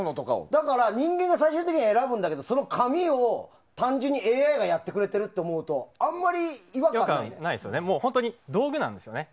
だから、人間が最終的には選ぶんだけれどもその紙を単純にＡＩがやってくれてると思うと本当に道具なんですよね。